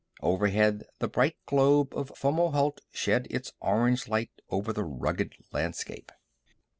Overhead, the bright globe of Fomalhaut shed its orange light over the rugged landscape.